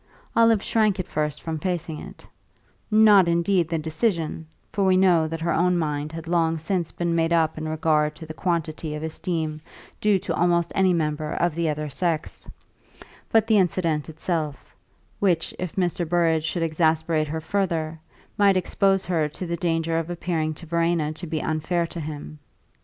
Olive shrank at first from facing it not, indeed, the decision for we know that her own mind had long since been made up in regard to the quantity of esteem due to almost any member of the other sex but the incident itself, which, if Mr. Burrage should exasperate her further, might expose her to the danger of appearing to Verena to be unfair to him.